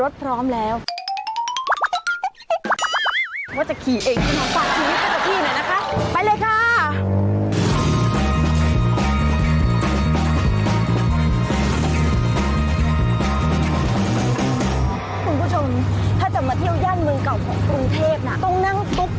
ต้องนั่งตุ๊กเจี๊ยงนะ